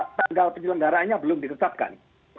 tapi sejauh ini tanggal penyelenggarannya belum ditetapkan